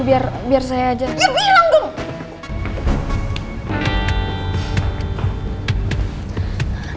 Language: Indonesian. biar biar saya aja ya bilang dong